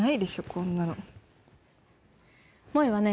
こんなの萌衣はね